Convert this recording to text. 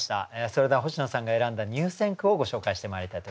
それでは星野さんが選んだ入選句をご紹介してまいりたいと思います。